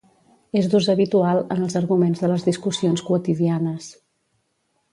És d'ús habitual en els arguments de les discussions quotidianes.